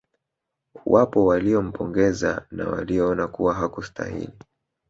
Wapo walio mpongeza na walioona kuwa hakustahili